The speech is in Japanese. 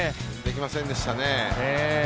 できませんでしたね。